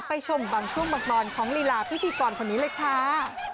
ไปชมบังช่วงบังกรณ์ของลีลาพี่สี่ก่อนคนนี้เลยค่ะ